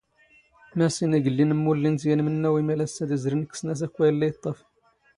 ⵎⴰⵙⵉⵏ ⵉⴳⵍⵍⵉⵏ ⵎⵎⵓⵍⵍⵉⵏ ⵜ ⵢⴰⵏ ⵎⵏⵏⴰⵡ ⵉⵎⴰⵍⴰⵙⵙ ⴰⴷ ⵉⵣⵔⵉⵏ ⴽⴽⵙⵏ ⴰⵙ ⴰⴽⴽⵯ ⴰⵢⵍⵍⵉ ⵉⵟⵟⴰⴼ.